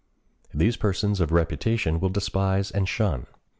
These persons of reputation will despise and shun.